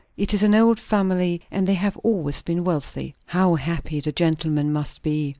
It is an old family, and they have always been wealthy." "How happy the gentleman must be!"